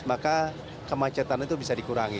maka kemacetan itu bisa dikurangi